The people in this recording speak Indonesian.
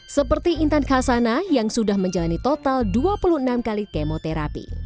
seperti intan kasana yang sudah menjalani total dua puluh enam kali kemoterapi